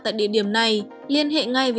tại địa điểm này liên hệ ngay với